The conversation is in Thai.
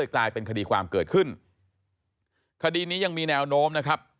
กลายเป็นคดีความเกิดขึ้นคดีนี้ยังมีแนวโน้มนะครับ